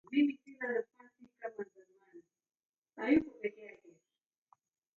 W'ana w'aenga w'alaghashire maisha ghaw'o.